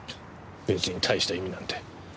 別にたいした意味なんて。